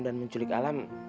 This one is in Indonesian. dan menculik alam